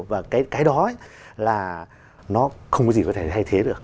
và cái đó là nó không có gì có thể thay thế được